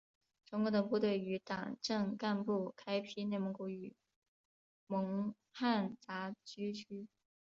中共的部队与党政干部开辟内蒙古与蒙汉杂居区。